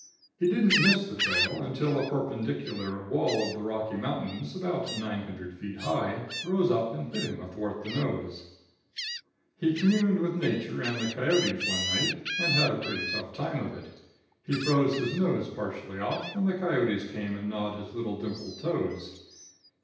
He didn't miss the trail until a perpendicular wall of the Rocky Mountains, about 900 feet high, rose up and hit him athwart the nose. [Illustration: COMMUNING WITH NATURE.] He communed with nature and the coyotes one night and had a pretty tough time of it. He froze his nose partially off, and the coyotes came and gnawed his little dimpled toes.